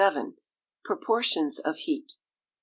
Proportions of Heat.